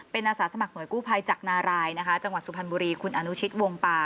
เป็นอาสาสมัครห่วยกู้ภัยจากนารายนะคะจังหวัดสุพรรณบุรีคุณอนุชิตวงปา